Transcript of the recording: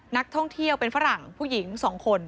นักท่องเที่ยวเป็นฝรั่งผู้หญิง๒คน